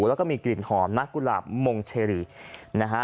แล้วก็มีกลิ่นหอมนักกุหลาบมงเชรีนะฮะ